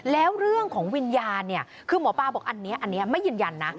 แล้วเรื่องของวิญญาณเนี่ยคือหมอปลาบอกอันนี้ไม่ยืนยันนะ